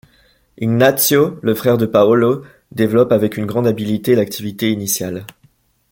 Ignazio, le frère de Paolo, développe avec une grande habileté l'activité initiale.